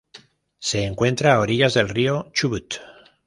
Se encuentra a orillas del Río Chubut.